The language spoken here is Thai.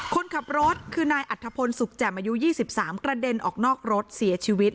คนขับรถคือนายอัธพลสุขแจ่มอายุ๒๓กระเด็นออกนอกรถเสียชีวิต